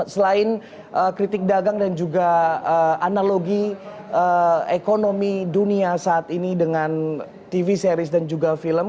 selain kritik dagang dan juga analogi ekonomi dunia saat ini dengan tv series dan juga film